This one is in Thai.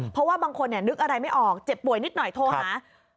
เพราะว่าบางคนนึกอะไรไม่ออกเจ็บป่วยนิดหน่อยโทรหา